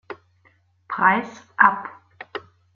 Preis ab.